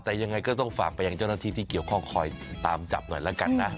แต่ยังไงก็ต้องฝากไปยังเจ้าหน้าที่ที่เกี่ยวข้องคอยตามจับหน่อยแล้วกันนะ